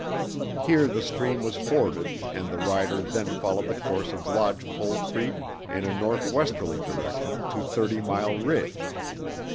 Here the stream was forded and the rider then followed the course of Lodge Pole Creek in a northwesterly direction to Thirty Mile Ridge.